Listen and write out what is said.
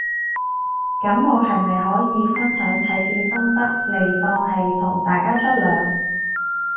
噉我係咪可以分享睇片心得嚟當係同大家出糧